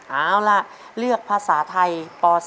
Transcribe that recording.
เอาล่ะเลือกภาษาไทยป๔